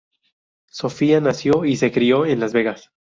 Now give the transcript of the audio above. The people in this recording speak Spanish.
Sophia nació y se crio en Las Vegas.